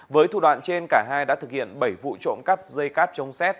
với thủ đoạn trên cả hai đã thực hiện bảy vụ trộm cắt dây cắt chống xét